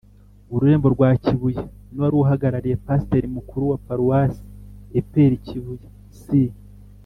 ururembo rwa kibuye n’uwari uhagarariye pasteur mukuru wa paruwasi e.p.r kibuye. si